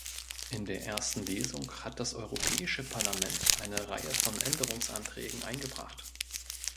In der ersten Lesung hat das Europäische Parlament eine Reihe von Änderungsanträgen eingebracht.